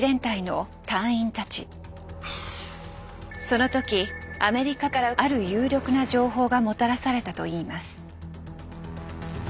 その時アメリカからある有力な情報がもたらされたといいます。